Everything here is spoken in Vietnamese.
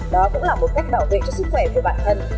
đó cũng là một cách bảo vệ cho sức khỏe của bản thân